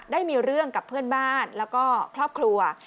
ได้มีเรื่องกับเพื่อนบ้านแล้วก็ครอบครัว